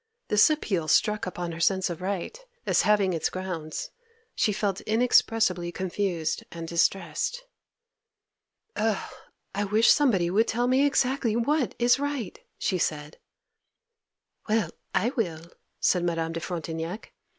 This appeal struck upon her sense of right, as having its grounds. She felt inexpressibly confused and distressed. 'Oh, I wish somebody would tell me exactly what is right!' she said. 'Well, I will!' said Madame de Frontignac.